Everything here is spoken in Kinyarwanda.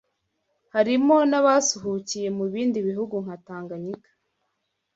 harimo n’abasuhukiye mu bindi bihugu nka Tanganyika,